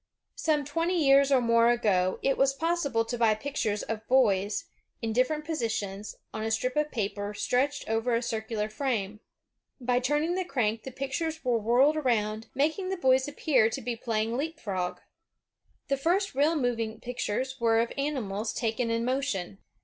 Some twenty years or more ago, it was possible to buy pictures of boys, in different positions, on a strip of paper stretched over a circular framework. By turning the crank the pictures were whirled around, making the boys appear to be play ing leapfrog. 2S2 OTHER FAMOUS INVENTORS OF TO DAY The first real moving pictures were of animals taken in motion.